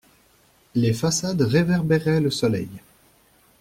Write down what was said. Les façades réverbéraient le soleil.